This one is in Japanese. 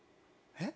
えっ？